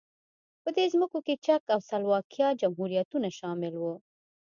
په دې ځمکو کې چک او سلواکیا جمهوریتونه شامل وو.